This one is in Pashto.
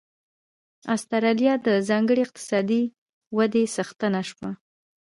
اسټرالیا د ځانګړې اقتصادي ودې څښتنه شوه.